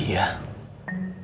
iyuh lidah tinggal dia